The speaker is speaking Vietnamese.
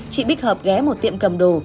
chị bích hợp ghé một tiệm cầm đồ